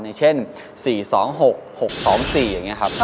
อย่างเช่น๔๒๖๖๒๔อย่างนี้ครับ